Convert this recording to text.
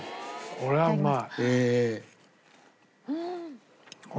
これはうまい。